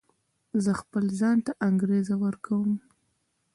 زه خپل ځان ته انګېزه ورکوم.